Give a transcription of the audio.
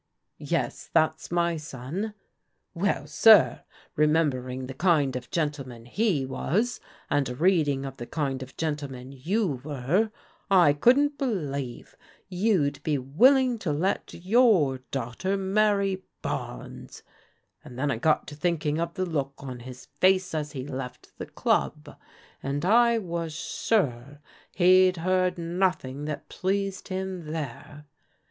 "" Yes, that's my son." "Well, sir, remembering the kind of gentleman he was, and reading of the kind of gentleman you were, I Un't beifeve you'd be wiilms ^o l^t your daughter THE SEAECH FOB THE RUNAWAYS 149 many Barnes. And then I got to thinking of the look on his face as he left the club, and I was sure he'd heard nothing that pleased him there.